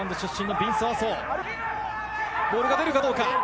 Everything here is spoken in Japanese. ボールが出るかどうか？